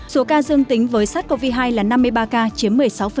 số ca dương tính với sars cov hai là năm mươi ba ca chiếm một mươi sáu